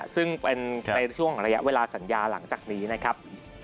ซึ่งเป็นในช่วงระยะเวลาสัญญาหลังจากนี้นะครับ